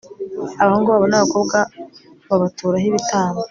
abahungu babo n'abakobwa babaturaho ibitambo